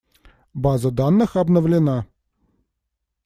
База данных обновлена.